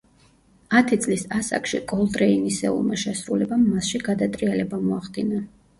ათი წლის ასაკში კოლტრეინისეულმა შესრულებამ მასში გადატრიალება მოახდინა.